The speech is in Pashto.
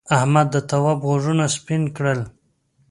احمد د تواب غوږونه سپین کړل.